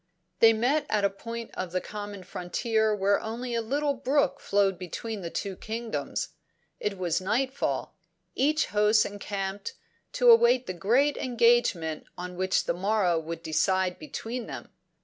"'They met at a point of the common frontier where only a little brook flowed between the two kingdoms. It was nightfall; each host encamped, to await the great engagement which on the morrow would decide between them.